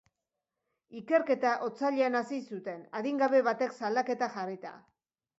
Ikerketa otsailean hasi zuten adingabe batek salaketa jarrita.